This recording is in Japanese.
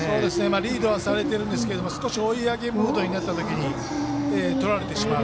リードされているんですが少し追い上げムードになった時にとられてしまう。